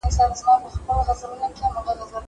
زه مخکي د کتابتوننۍ سره خبري کړي وو.